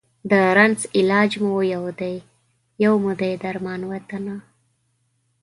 د رنځ علاج مو یو دی، یو مو دی درمان وطنه